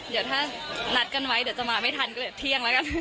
เดี๋ยวถ้านัดกันไว้เดี๋ยวจะมาไม่ทันก็เลยเที่ยงแล้วกัน